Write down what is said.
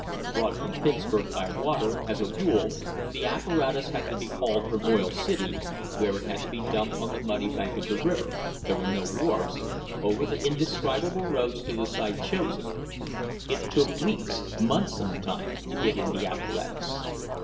Brought from Pittsburg by water, as a rule, the apparatus had to be hauled from Oil City, where it had been dumped on the muddy bank of the river — there were no wharfs — over the indescribable roads to the site chosen. It took weeks — months sometimes — to get in the apparatus.